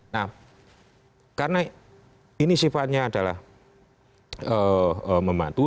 nah karena ini sifatnya adalah membantu